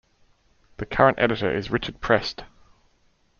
The current editor is Richard Prest.